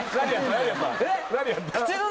何やったの？